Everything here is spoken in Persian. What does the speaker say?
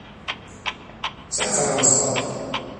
زعفران ساب